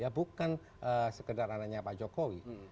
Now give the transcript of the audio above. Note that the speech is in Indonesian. ya bukan sekedar anaknya pak jokowi